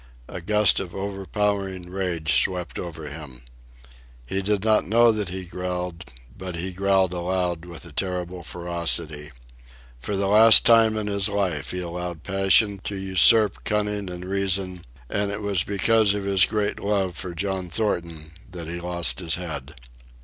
A gust of overpowering rage swept over him. He did not know that he growled, but he growled aloud with a terrible ferocity. For the last time in his life he allowed passion to usurp cunning and reason, and it was because of his great love for John Thornton that he lost his head.